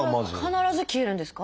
必ず消えるんですか？